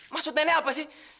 maksud nenek apa sih